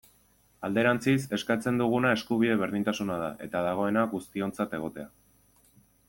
Alderantziz, eskatzen duguna eskubide berdintasuna da, eta dagoena, guztiontzat egotea.